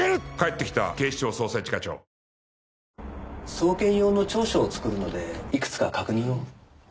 送検用の調書を作るのでいくつか確認を。